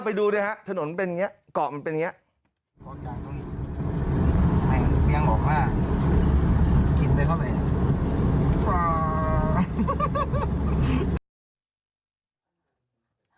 ไปดูด้วยฮะถนนเป็นอย่างนี้เกาะมันเป็นอย่างนี้